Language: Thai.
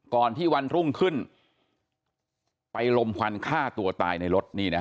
ก่อนที่วันรุ่งขึ้นไปลมควันฆ่าตัวตายในรถ